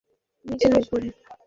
নিচে না উপরে!